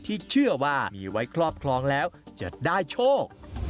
ที่เชื่อว่ามีไว้ครอบครองแล้วจะได้โชค